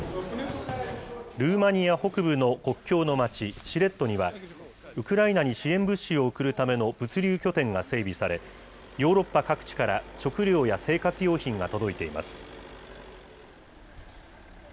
ルーマニア北部の国境の町、シレットには、ウクライナに支援物資を送るための物流拠点が整備され、ヨーロッパ各地から食料や生活用品が届いています。